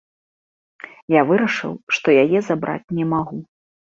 Я вырашыў, што яе забраць не магу.